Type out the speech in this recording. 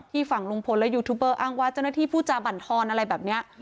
ฝั่งลุงพลและยูทูบเบอร์อ้างว่าเจ้าหน้าที่ผู้จาบั่นทอนอะไรแบบนี้